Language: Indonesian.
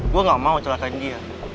gue gak mau celakain dia